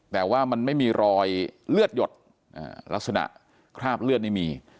แต่ว่ามันไม่มีรอยเลือดหยดลักษณะคราบเลือดนี่มี